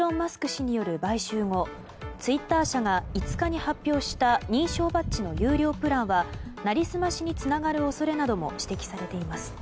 氏による買収後ツイッター社が５日に発表した認証バッジの有料プランはなりすましにつながる恐れなども指摘されています。